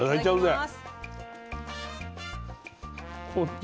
いただきます。